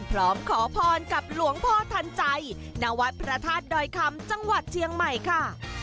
พร้อมขอพรกับหลวงพ่อทันใจณวัดพระธาตุดอยคำจังหวัดเชียงใหม่ค่ะ